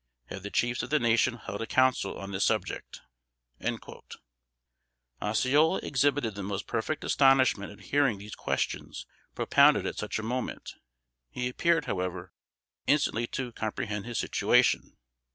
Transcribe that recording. Have the chiefs of the nation held a council on this subject?" Osceola exhibited the most perfect astonishment at hearing these questions propounded at such a moment. He appeared, however, instantly to comprehend his situation.